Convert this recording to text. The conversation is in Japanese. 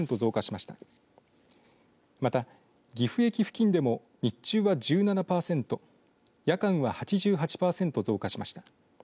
また、岐阜駅付近でも日中は、１７パーセント夜間は８８パーセント増加しました。